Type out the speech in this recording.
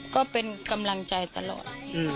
ก็เป็นกำลังใจตลอด